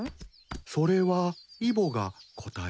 それはイボが答えます。